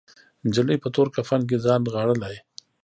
نجلۍ په تور کفن کې ځان نغاړلی